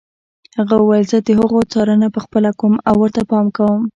هغه وویل زه د هغو څارنه پخپله کوم او ورته پام کوم.